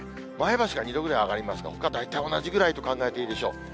前橋が２度ぐらい上がりますが、ほか、大体同じぐらいと考えていいでしょう。